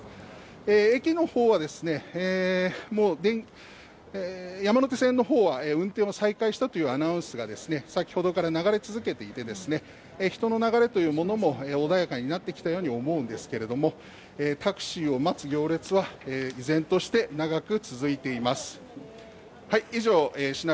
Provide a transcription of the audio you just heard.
駅の方はもう山手線の方は運転を再開したというアナウンスが先ほどから流れ続けていて、人の流れというものも穏やかになってきたように思うんですけれどもタクシーを待つ行列は依然として長く続いています。